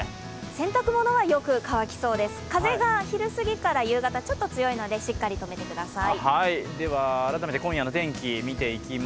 洗濯物よく乾きそうです、風が昼すぎから夕方ちょっと強いので、しっかりとめてください。